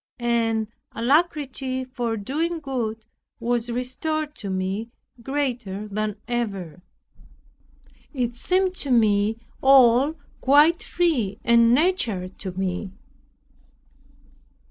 An alacrity for doing good was restored to me, greater than ever. It seemed to me all quite free and natural to me.